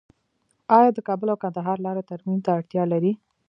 آیا د کابل او کندهار لاره ترمیم ته اړتیا لري؟